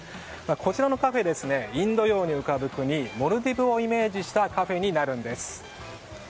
こちらのカフェインド洋に浮かぶ国モルディブをイメージしたカフェになるんです。